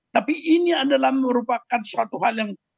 tapi ini adalah merupakan suatu hal yang